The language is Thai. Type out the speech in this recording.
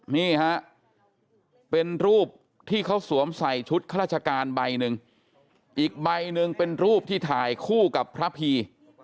นี่ฮะเป็นรูปที่เขาสวมใส่ชุดข้าราชการใบหนึ่งอีกใบหนึ่งเป็นรูปที่ถ่ายคู่กับพระพี